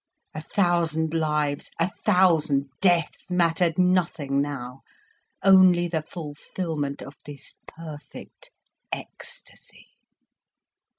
A thousand lives, a thousand deaths mattered nothing now, only the fulfilment of this perfect ecstasy.